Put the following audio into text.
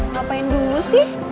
ngapain dulu sih